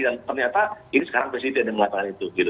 dan ternyata ini sekarang presiden yang melakukan itu gitu